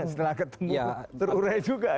setelah ketemu terurai juga